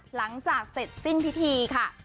หลังจากเสร็จสิ้นพิธีค่ะ